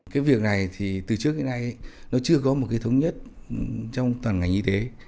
cái việc này thì từ trước đến nay nó chưa có một cái thống nhất trong toàn ngành y tế